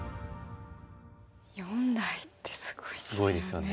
四代ってすごいですよね。